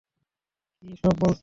কী সব বলছো?